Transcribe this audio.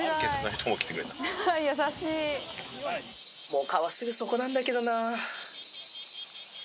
もう川、すぐそこなんだけどな。